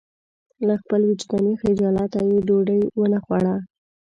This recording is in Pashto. له خپل وجداني خجالته یې ډوډۍ ونه خوړه.